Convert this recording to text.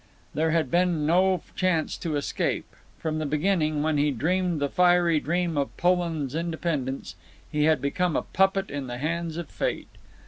There had been no chance to escape. From the beginning, when he dreamed the fiery dream of Poland's independence, he had become a puppet in the hands of Fate.